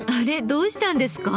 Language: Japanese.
どうしたんですか？